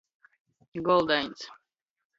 Goldains.